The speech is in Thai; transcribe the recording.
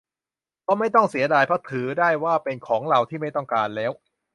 ก็ไม่ต้องเสียดาย เพราะถือได้ว่าเป็นของเราที่ไม่ต้องการแล้ว